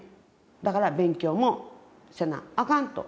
だから勉強もせなあかんと。